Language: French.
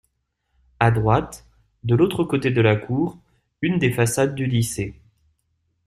A droite, de l’autre côté de la cour, une des façades du lycée.